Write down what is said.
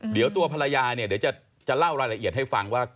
เดี๋ยวตัวภรรยาจะเล่ารายละเอียดให้ฟังว่า